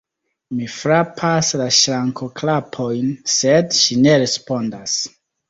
Mi frapas la ŝrankoklapojn, sed ŝi ne respondas.